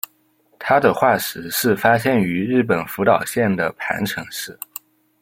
它的化石是发现于日本福岛县的磐城市。